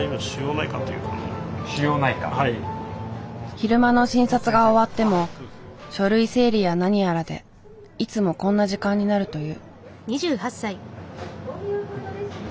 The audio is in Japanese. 昼間の診察が終わっても書類整理や何やらでいつもこんな時間になるという。